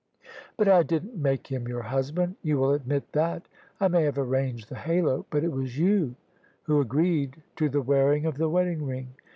" But I didn't make him your husband I you will admit that. I may have arranged the halo; but it was you who agreed to the wearing of the wedding ring.